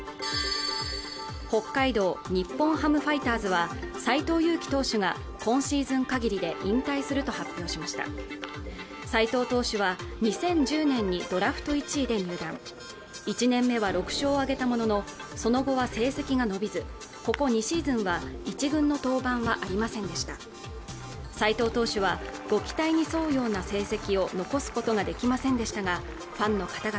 北海道日本ハムファイターズは斎藤佑樹投手が今シーズン限りで引退すると発表しました斎藤投手は２０１０年にドラフト１位で入団１年目は６勝を挙げたもののその後は成績が伸びずここ２シーズンは１軍の登板はありませんでした斎藤投手はご期待に沿うような成績を残すことができませんでしたがファンの方々